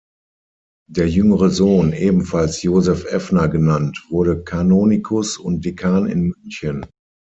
Der jüngere Sohn, ebenfalls Joseph Effner genannt, wurde Kanonikus und Dekan in München.